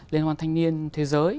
liên hoàn thanh niên thế giới